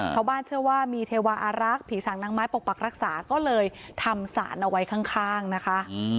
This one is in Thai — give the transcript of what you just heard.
ชาวบ้านเชื่อว่ามีเทวาอารักษ์ผีสางนางไม้ปกปักรักษาก็เลยทำสารเอาไว้ข้างนะคะ